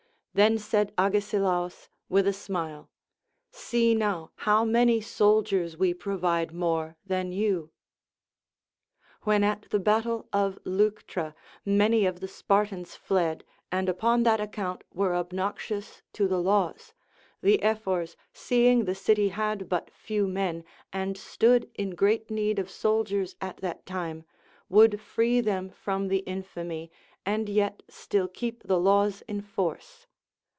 Then said Agesilaus, with a smile. See now how many soldiers we pro vide more than you. When at the battle of Leuctra many 396 LACONIC APOPHTHEGMS. of the Spartans fled and upon that account were obnoxious to the hxws, the Ephors, seemg the city had but few men and stood in great need of soldiers at that time, would free them from the infamy and yet still keep the laws in force.